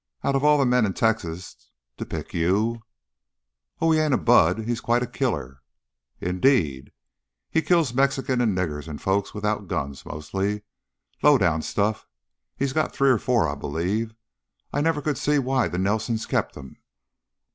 "Out of all the men in Texas, to pick you " "Oh, he ain't a bud! He's quite a killer." "Indeed?" "He kills Mexicans and niggers and folks without guns, mostly. Low down stuff! He's got three or four, I believe. I never could see why the Nelsons kep' him."